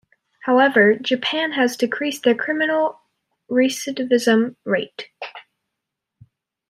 However, Japan has decreased their criminal recidivism rate.